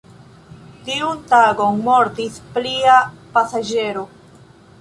Tiun tagon mortis plia pasaĝero.